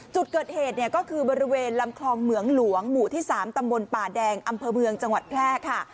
จุดเกิดเหตุเนี่ยก็คือบริเวณลำคลองเหมืองหลวงหมู่ที่๓ตำบลป่าแดงอำเภอเมืองจังหวัดแพร่ค่ะ